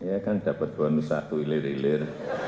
ya kan dapat bonus satu ilir ilir